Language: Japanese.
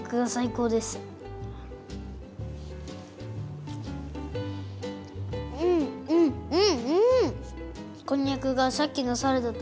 うんうん！